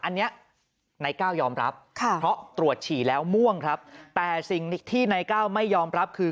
อันนี้นายก้าวยอมรับเพราะตรวจฉี่แล้วม่วงครับแต่สิ่งที่นายก้าวไม่ยอมรับคือ